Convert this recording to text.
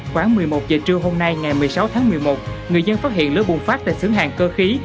khoảng một mươi một h trưa hôm nay ngày một mươi sáu tháng một mươi một người dân phát hiện lứa bùng phát tại xướng hàng cơ khí